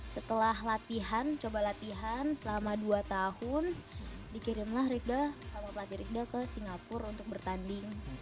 setelah latihan coba latihan selama dua tahun dikirimlah rifda sama pelatih rifda ke singapura untuk bertanding